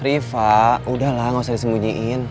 rif fak udah lah gak usah disemujiin